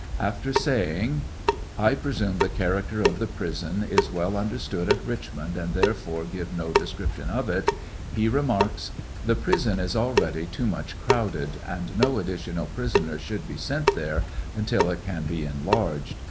After saying — I presume the character of the prison is well understood at Richmond, and therefore give no description of it; He remarks : The prison is already too much crowded, and no additional prisoners should be sent there imtil it can be enlarged.